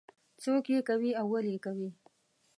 څوک یې کوي او ولې یې کوي.